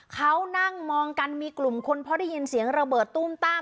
เขานั่งมองกันมีกลุ่มคนเพราะได้ยินเสียงระเบิดตุ้มตั้ม